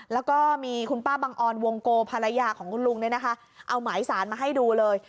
แล้วก็มีคุณป้าบังออนวงโกภรรยาของคุณลุงเนี่ยนะคะเอาหมายสารมาให้ดูเลย